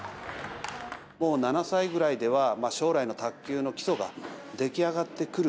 もう７歳ぐらいでは、将来の卓球の基礎が出来上がってくる。